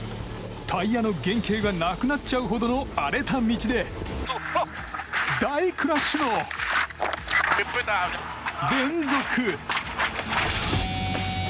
タイヤの原形がなくなっちゃうほどの荒れた道で大クラッシュの連続！